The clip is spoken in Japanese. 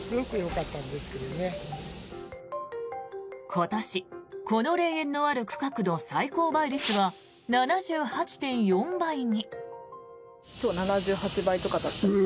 今年、この霊園のある区画の最高倍率は７８．４倍に。